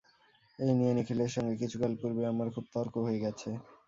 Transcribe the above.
এই নিয়ে নিখিলের সঙ্গে কিছুকাল পূর্বে আমার খুব তর্ক হয়ে গেছে।